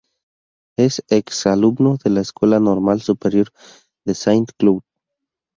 Es ex alumno de la Escuela Normal Superior de Saint-Cloud.